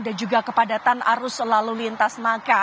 dan juga kepadatan arus lalu lintas